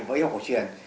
với học hội truyền